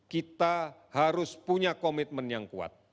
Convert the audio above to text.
kita harus punya komitmen yang kuat